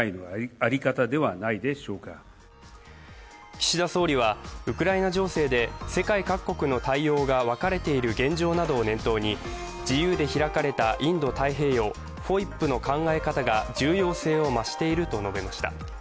岸田総理はウクライナ情勢で世界各国の対応が分かれている現状などを念頭に自由で開かれたインド太平洋ＦＯＩＰの考え方が重要性を増していると述べました。